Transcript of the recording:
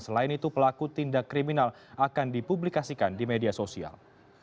selain itu pelaku tindak kriminal akan dipublikasikan di media sosial